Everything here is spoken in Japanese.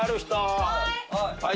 はい！